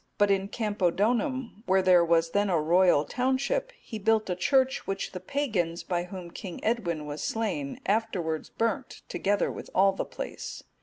But in Campodonum,(242) where there was then a royal township, he built a church which the pagans, by whom King Edwin was slain, afterwards burnt, together with all the place.